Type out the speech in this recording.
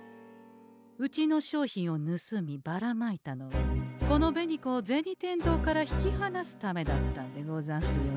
うちの商品をぬすみばらまいたのはこの紅子を銭天堂から引きはなすためだったんでござんすよね？